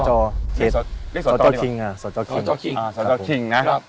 สจคิงค่ะ